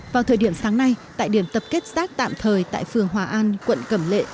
vào thời điểm sáng nay tại điểm tập kết rác tạm thời tại phường hòa an quận cẩm lệ